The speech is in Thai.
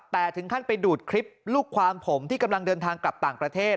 แต่ถึงขั้นไปดูดคลิปลูกความผมที่กำลังเดินทางกลับต่างประเทศ